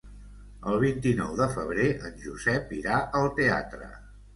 El vint-i-nou de febrer en Josep irà al teatre.